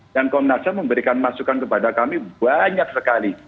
dan komnas ham memberikan masukan kepada kami banyak sekali